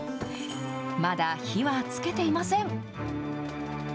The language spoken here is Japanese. まだ火はつけていません。